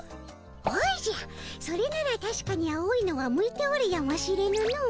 おじゃそれならたしかに青いのは向いておるやもしれぬの。